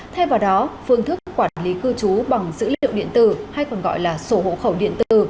thay vào đó phương thức quản lý cư trú bằng dữ liệu điện tử hay còn gọi là sổ hộ khẩu điện tử